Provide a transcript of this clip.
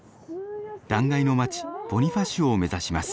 断崖の町ボニファシオを目指します。